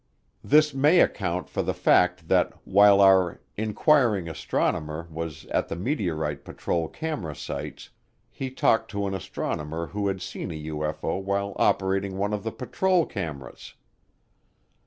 This may account for the fact that while our "inquiring astronomer" was at the meteorite patrol camera sites, he talked to an astronomer who had seen a UFO while operating one of the patrol cameras.